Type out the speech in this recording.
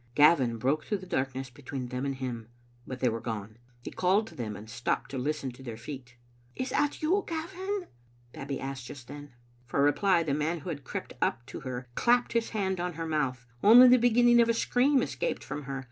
Gavin broke through the darkness between them and him, but they were gone. He called to them, and stopped to listen to their feet. " Is that you, Gavin?" Babbie asked just then. For reply, the man who had crept up to her clapped his hand upon her mouth. Only the beginning of a scream escaped from her.